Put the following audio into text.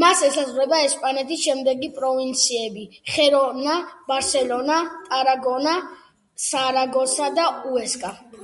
მას ესაზღვრება ესპანეთის შემდეგი პროვინციები: ხერონა, ბარსელონა, ტარაგონა, სარაგოსა და უესკა.